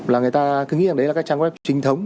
là người ta cứ nghĩ là đấy là cái trang web trình thống